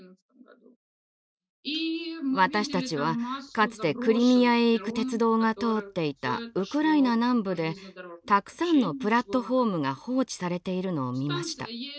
私たちはかつてクリミアへ行く鉄道が通っていたウクライナ南部でたくさんのプラットホームが放置されているのを見ました。